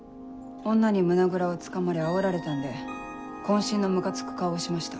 女に胸ぐらをつかまれあおられたんで渾身のムカつく顔をしました。